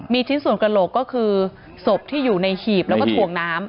มีชิ้นส่วนกระโหลกก็คือศพที่อยู่ในหีบแล้วก็ถ่วงน้ำ